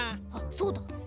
あっそうだ！